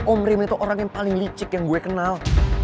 omream itu orang yang paling licik yang gue kenal